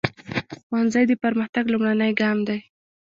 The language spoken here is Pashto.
ښوونځی د پرمختګ لومړنی ګام دی.